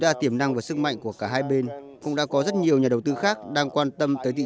đa tiềm năng và sức mạnh của cả hai bên cũng đã có rất nhiều nhà đầu tư khác đang quan tâm tới thị